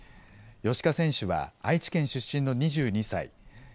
芳家選手は愛知県出身の２２歳。